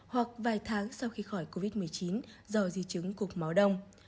hoặc vài tháng sau khi khỏi covid một mươi chín do di chứng cục máu đông